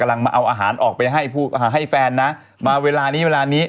กำลังเอาอาหารออกไปให้แฟนนะมาเวลานี้นี้